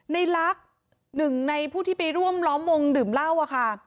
ในลักษณ์หนึ่งในผู้ที่ไปร่วมล้อมวงดื่มเหล้าอะค่ะ